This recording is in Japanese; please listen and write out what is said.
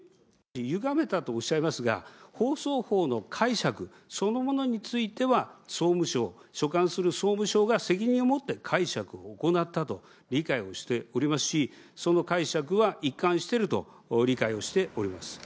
ゆがめたとおっしゃいますが、放送法の解釈そのものについては総務省、所管する総務省が責任を持って解釈を行ったと理解をしておりますし、その解釈は一貫してると理解をしております。